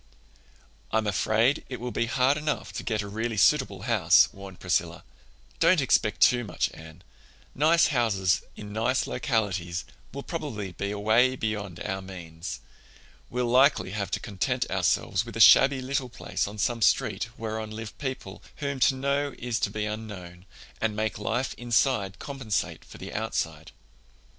"I'm afraid it will be hard enough to get a really suitable house," warned Priscilla. "Don't expect too much, Anne. Nice houses in nice localities will probably be away beyond our means. We'll likely have to content ourselves with a shabby little place on some street whereon live people whom to know is to be unknown, and make life inside compensate for the outside."